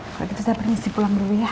kalau gitu saya permisi pulang dulu ya